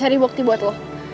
cari bukti buat lo